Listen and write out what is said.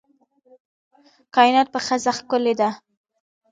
کائنات په ښځه ښکلي دي